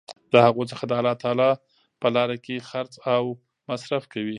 د هغو څخه د الله تعالی په لاره کي خرچ او مصر ف کوي